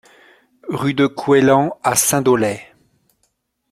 Rue de Coueslan à Saint-Dolay